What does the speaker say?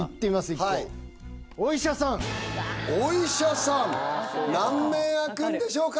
１個お医者さんお医者さん何面あくんでしょうか？